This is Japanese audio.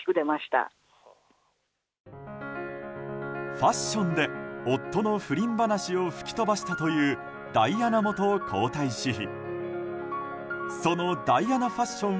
ファッションで夫の不倫話を吹き飛ばしたというダイアナ元皇太子妃。